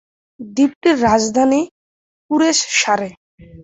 দ্বীপটির রাজধানী কুরেসসারে।